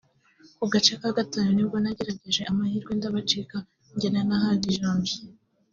Ku gace ka gatanu nibwo nagerageje amahirwe ndabacika njyana na Hadi Janvier